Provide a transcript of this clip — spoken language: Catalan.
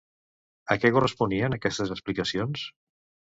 A què responien aquestes explicacions?